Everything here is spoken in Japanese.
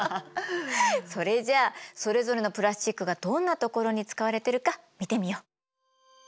それじゃあそれぞれのプラスチックがどんな所に使われてるか見てみよう。